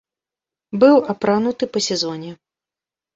Быў апрануты па сезоне.